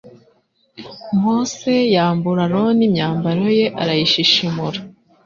mose yambura aroni imyambaro ye arayishishimura